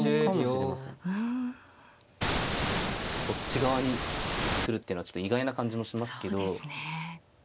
こっち側に来るっていうのはちょっと意外な感じもしますけど。